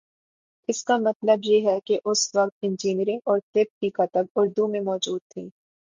اس کا مطلب یہ ہے کہ اس وقت انجینئرنگ اور طب کی کتب اردو میں مو جود تھیں۔